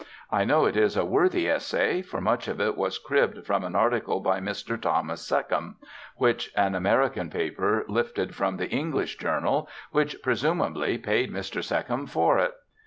I know it is a worthy essay, for much of it was cribbed from an article by Mr. Thomas Seccombe, which an American paper lifted from the English journal which, presumably, paid Mr. Seccombe for it.